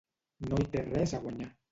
No hi té res a guanyar.